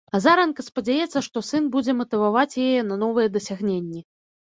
Азаранка спадзяецца, што сын будзе матываваць яе на новыя дасягненні.